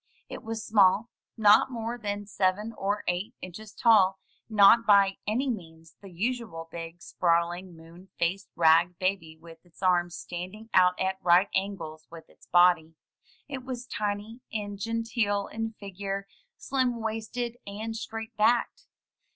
It was small — ^not more than seven or eight inches tall — not by any means the usual big, sprawling, moon faced rag baby with its arms standing out at right angles with its body. It was tiny and genteel in figure, slim waisted, and straight backed.